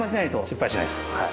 失敗しないです。